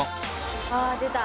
あぁ出た。